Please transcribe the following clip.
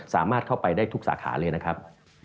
สามารถเข้าไปได้ทุกสาขาเลยนะครับ